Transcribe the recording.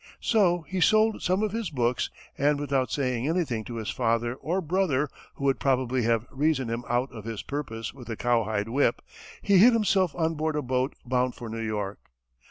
So he sold some of his books, and without saying anything to his father or brother, who would probably have reasoned him out of his purpose with a cowhide whip, he hid himself on board a boat bound for New York.